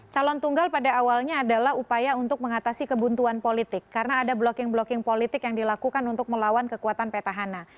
calon tunggal pada awalnya adalah upaya untuk mengatasi kebuntuan politik karena ada blocking blocking politik yang dilakukan untuk melawan kekuatan petahana